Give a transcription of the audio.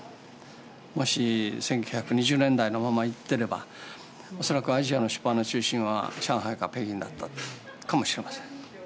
もし１９２０年代のままいってれば恐らくアジアの出版の中心は上海か北京だったかもしれません。